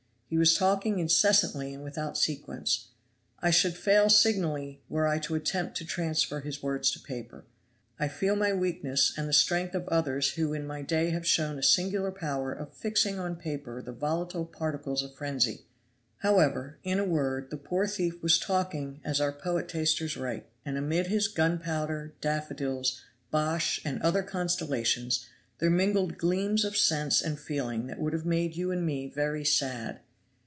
He was talking incessantly and without sequence. I should fail signally were I to attempt to transfer his words to paper. I feel my weakness and the strength of others who in my day have shown a singular power of fixing on paper the volatile particles of frenzy; however, in a word, the poor thief was talking as our poetasters write, and amid his gunpowder, daffodils, bosh and other constellations there mingled gleams of sense and feeling that would have made you and me very sad.